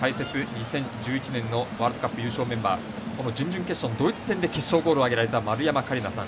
２０１１年のワールドカップ優勝メンバー準々決勝、ドイツ戦で決勝ゴールを挙げられた丸山桂里奈さん。